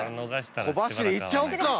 小走りで行っちゃおうか！